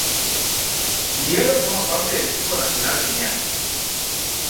Diallo forma parte del equipo nacional guineano.